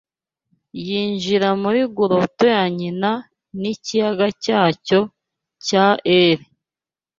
yinjira muri guroto ya nyina n'ikiyaga cyacyo cya eri